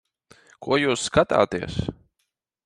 Ko jūs skatāties?